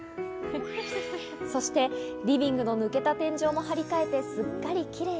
そしてリビングの抜けた天井も張り替えて、すっかりキレイに。